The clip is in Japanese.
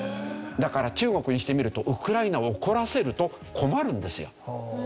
だから中国にしてみるとウクライナを怒らせると困るんですよ。